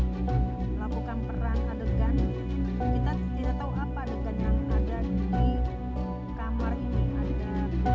melakukan peran adegan kita tidak tahu apa adegan yang ada di kamar ini adeg